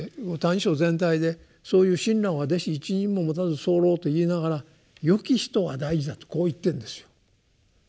「歎異抄」全体でそういう親鸞は「弟子一人ももたずさふらふ」と言いながら「よき人」は大事だとこう言ってんですよ。